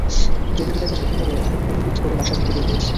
জরুরি কাজের কথা বলে অনেক অনুরোধ করে বাসা থেকে বের হয়েছি।